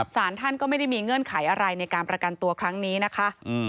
สารท่านก็ไม่ได้มีเงื่อนไขอะไรในการประกันตัวครั้งนี้นะคะ